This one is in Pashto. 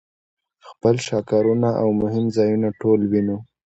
خپل شهکارونه او مهم ځایونه ټول وینو.